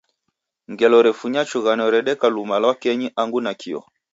Ngelo refunya chughano redeka luma lwa kenyi angu nakio